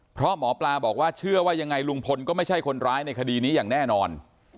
เพราะหมอปลาบอกว่าเชื่อว่ายังไงลุงพลก็ไม่ใช่คนร้ายในคดีนี้อย่างแน่นอน